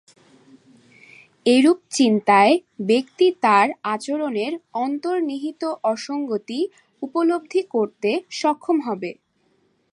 এরূপ চিন্তায় ব্যক্তি তার আচরণের অন্তর্নিহিত অসঙ্গতি উপলব্ধি করতে সক্ষম হবে।